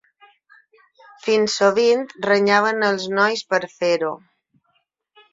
Fins sovint renyaven els nois per fer-ho.